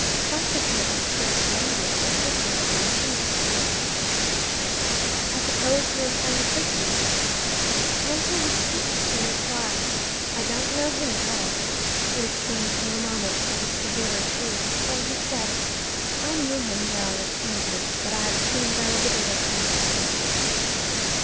"Fight the good" had scarcely ended, so quickly had their intimacy grown. "I suppose you're a friend of Rickie's?" Ansell was tempted to reply, "I don't know him at all." But it seemed no moment for the severer truths, so he said, "I knew him well at Cambridge, but I have seen very little of him since."